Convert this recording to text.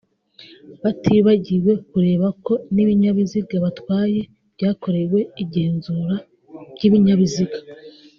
batibagiwe kureba ko n’ibinyabiziga batwaye byakorewe igenzura ry’ibinyabiziga